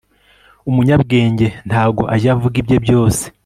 umunyabwenge ntago ajya avuga ibye byose